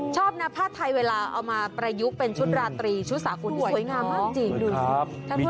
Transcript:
ชอบนะผ้าไทยเวลาเอามาประยุกต์เป็นชุดราตรีชุดสากลสวยงามมากจริงดู